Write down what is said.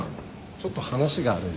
ちょっと話があるんですけど。